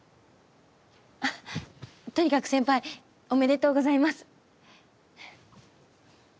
あっとにかく先輩おめでとうございます。